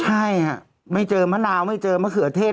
ใช่ไม่เจอมะนาวไม่เจอเหมือนเครือเทศ